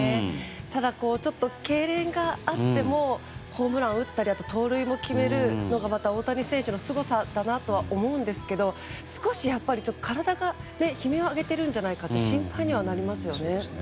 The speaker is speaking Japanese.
ただちょっとけいれんがあってもホームランを打ったり盗塁も決めるのがまた大谷選手のすごさだなと思うんですけど、少し体が悲鳴を上げてるんじゃないかと心配にはなりますよね。